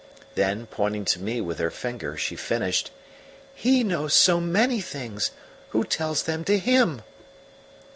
Then, pointing to me with her finger, she finished: "HE knows so many things! Who tells them to HIM?"